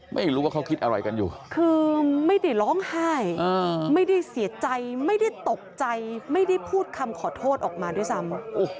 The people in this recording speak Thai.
ไม่รู้ว่าเขาคิดอะไรกันอยู่คือไม่ได้ร้องไห้ไม่ได้เสียใจไม่ได้ตกใจไม่ได้พูดคำขอโทษออกมาด้วยซ้ำ